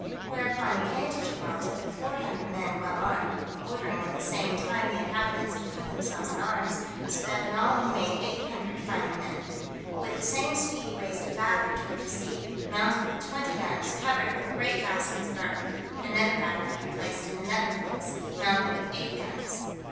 Whereupon he came to Gibraltar with four hundred men well armed, ordering at the same time the inhabitants to put themselves in arms, so that in all he made eight hundred fighting men. With the same speed he raised a battery toward the sea, mounted with twenty guns, covered with great baskets of earth: another battery he placed in another place, mounted with eight guns.